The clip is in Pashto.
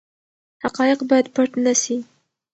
حقایق باید پټ نه سي.